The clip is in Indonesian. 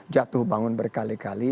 jatuh bangun berkali kali